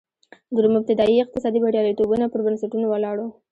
د روم ابتدايي اقتصادي بریالیتوبونه پر بنسټونو ولاړ و